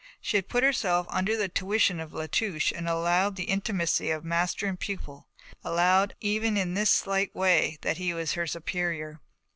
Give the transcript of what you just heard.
She had put herself under the tuition of La Touche and allowed the intimacy of master and pupil, allowed even in this slight way that he was her superior.